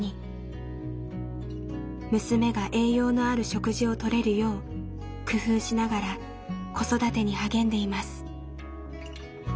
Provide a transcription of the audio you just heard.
娘が栄養のある食事をとれるよう工夫しながら子育てに励んでいます。